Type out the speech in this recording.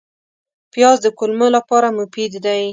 پیاز د کولمو لپاره مفید دی